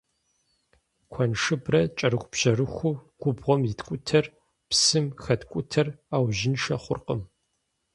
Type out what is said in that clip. Куэншыбрэ кӏэрыхубжьэрыхуу губгъуэм иткӏутэр, псым хэткӏутэр ӏэужьыншэ хъуркъым.